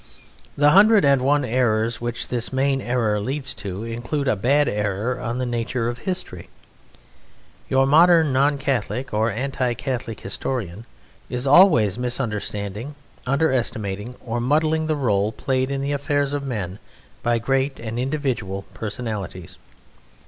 The hundred and one errors which this main error leads to include a bad error on the nature of history. Your modern non Catholic or anti Catholic historian is always misunderstanding, underestimating, or muddling the role played in the affairs of men by great and individual Personalities.